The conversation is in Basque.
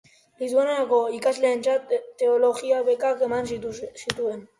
Lituaniako ikasleentzat teologia bekak eman zituen.